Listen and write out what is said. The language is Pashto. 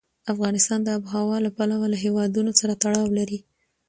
افغانستان د آب وهوا له پلوه له هېوادونو سره تړاو لري.